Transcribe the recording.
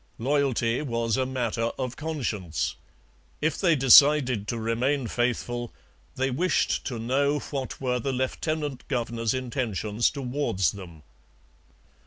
Loyalty was a matter of conscience. If they decided to remain faithful, they wished to know what were the lieutenant governor's intentions towards them.